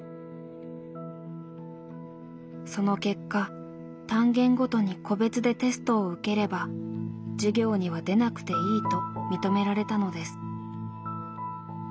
その結果単元ごとに個別でテストを受ければ授業には出なくていいと認められたのです。